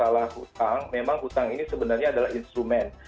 masalah utang memang utang ini sebenarnya adalah instrumen